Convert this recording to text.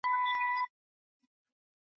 هغه کلمې چي په پښتو کي کارول کېږي ډېري خوږې دي.